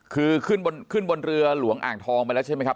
คือขึ้นบนเรือหลวงอ่างทองไปแล้วใช่ไหมครับ